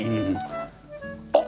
あっ！